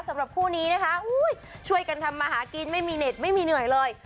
สำหรับคู่นี้นะคะช่วยกันทำมาหากินไม่มีเน็ตไม่มีเหนื่อยเลย